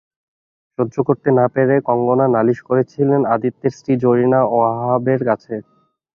সহ্য করতে না পেরে কঙ্গনা নালিশ করেছিলেন আদিত্যের স্ত্রী জরিনা ওয়াহাবের কাছে।